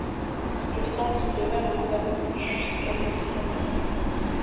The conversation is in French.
Pourtant, il demeure au gouvernement jusqu'à l'exil en Allemagne.